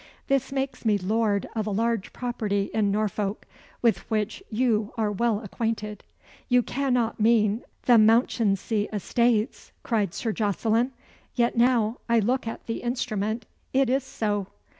This makes me lord of a large property in Norfolk, with which you are well acquainted." "You cannot mean the Mounchensey estates?" cried Sir Jocelyn. "Yet now I look at the instrument, it is so."